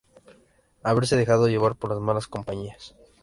haberse dejado llevar por las malas compañías